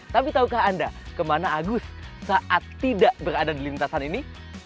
tapi tahukah anda kemana agus saat tidak berada di lintasan ini